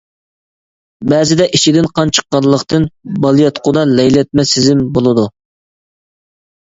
بەزىدە ئىچىدىن قان چىققانلىقتىن، بالىياتقۇدا لەيلەتمە سېزىم بولىدۇ.